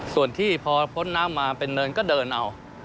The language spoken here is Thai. ส่วนที่พอพ้นน้ำมาเป็นเนินก็เดินเอา